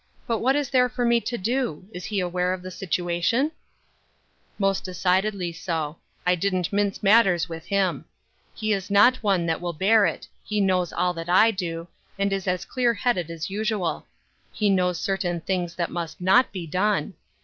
But what is there for me to do? Is he aware of the situation ?"^' Most decidedly so. I didn't mince matters 174 Ruth Er shine' 8 Crosses. with him ; he is not one that will bear it ; he knows all that I do, and is as clear headed as usual ; he knows certain things that must not be done.